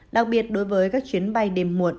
đặc biệt đối với các chuyến bay đêm muộn